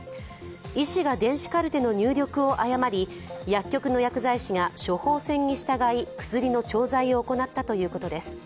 医師が電子カルテの入力を誤り薬局の薬剤師が処方箋に従い、薬の調剤を行ったということです。